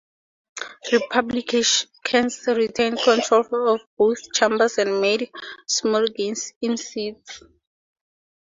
Republicans retained control of both chambers and made small gains in seats.